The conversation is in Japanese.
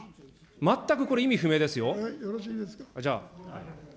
全くこれ意味不明ですよ。